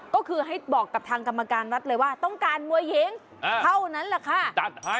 ก็คือให้บอกกับทางกรรมการวัดเลยว่าต้องการมวยหญิงเท่านั้นแหละค่ะ